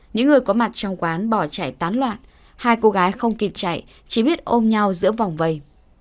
những người có mặt trong quán bỏ chạy tán loạn hai cô gái không kịp chạy chỉ biết ôm nhau giữa vòng vây